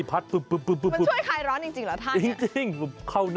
พัดปุ๊บ